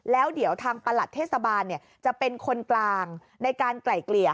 แล้วเดี๋ยวทางประหลัดเทศบาลจะเป็นคนกลางในการไกล่เกลี่ย